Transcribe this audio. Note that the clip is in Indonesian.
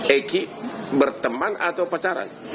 eki berteman atau pacaran